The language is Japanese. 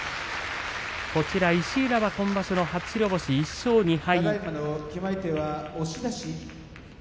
石浦、今場所の初白星、１勝２敗。